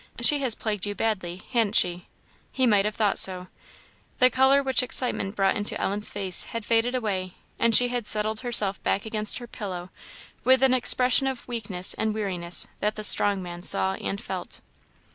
She has plagued you badly, han't she?" He might have thought so. The colour which excitement brought into Ellen's face had faded away, and she had settled herself back against her pillow with an expression of weakness and weariness that the strong man saw and felt.